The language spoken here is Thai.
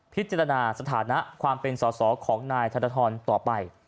พิจารณาสถานะความเป็นสอสอของนายธนทรต่อไป